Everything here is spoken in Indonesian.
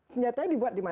senjatanya dibuat di mana